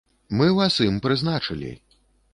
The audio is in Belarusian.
Мы вас ім прызначылі.